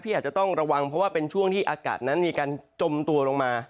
อาจจะต้องระวังเพราะว่าเป็นช่วงที่อากาศนั้นมีการจมตัวลงมา